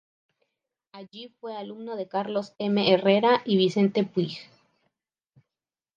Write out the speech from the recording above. Allí fue alumno de Carlos M. Herrera y Vicente Puig.